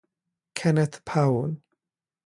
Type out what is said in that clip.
Kenneth Powell.